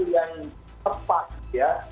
yang tepat ya